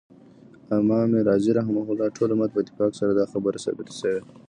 امام رازی رحمه الله : ټول امت په اتفاق سره دا خبره ثابته سوی